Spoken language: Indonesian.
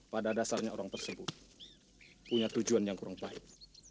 pada dasarnya orang tersebut punya tujuan yang kurang baik